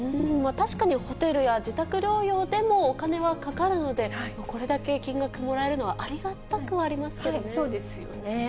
確かにホテルや自宅療養でもお金はかかるので、これだけ金額もらえるのはありがたくはありまそうですよね。